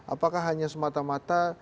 apakah hanya semata mata